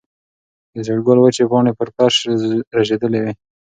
د زېړ ګل وچې پاڼې پر فرش رژېدلې وې.